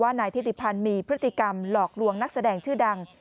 นายทิติพันธ์มีพฤติกรรมหลอกลวงนักแสดงชื่อดัง